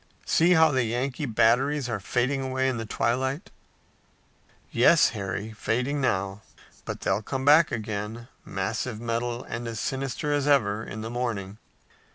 See how the Yankee batteries are fading away in the twilight." "Yes, Harry, fading now, but they'll come back again, massive metal and as sinister as ever, in the morning."